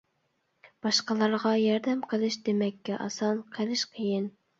باشقىلارغا ياردەم قىلىش دېمەككە ئاسان قىلىش قىيىن.